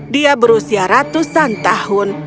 dia berusia ratusan tahun